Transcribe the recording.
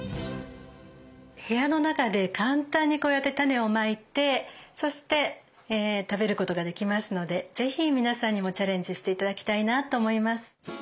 部屋の中で簡単にこうやって種をまいてそして食べることができますので是非皆さんにもチャレンジして頂きたいなと思います。